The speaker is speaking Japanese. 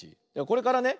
これからね